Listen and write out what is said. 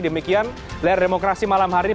demikian layar demokrasi malam hari ini